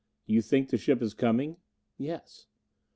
"You think the ship is coming?" "Yes."